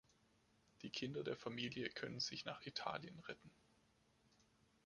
Die Kinder der Familie können sich nach Italien retten.